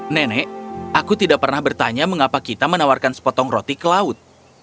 nenek aku tidak pernah bertanya mengapa kita menawarkan sepotong roti ke laut